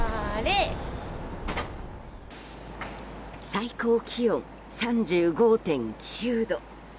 最高気温３５．９度。